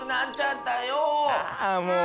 あもう。